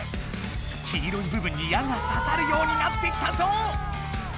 黄色い部分に矢がささるようになってきたぞ！